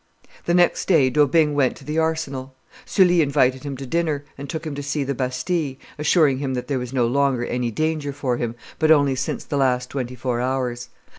The next day D'Aubigne went to the Arsenal; Sully invited him to dinner, and took him to see the Bastille, assuring him that there was no longer any danger for him, but only since the last twenty four hours.